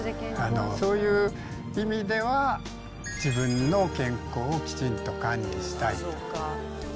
そういう意味では、自分の健康をきちんと管理したり。